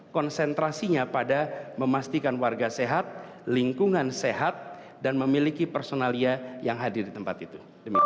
konsentrasinya pada memastikan warga sehat lingkungan sehat dan memiliki personalia yang hadir di tempat itu